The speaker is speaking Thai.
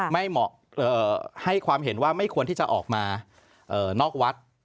ไม่เหมาะให้ความเห็นว่าไม่ควรที่จะออกมานอกวัด